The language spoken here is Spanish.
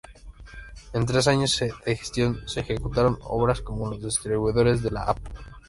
En tres años de gestión se ejecutaron obras como los distribuidores de la Av.